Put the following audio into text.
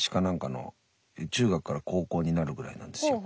中学から高校になるぐらいなんですよ。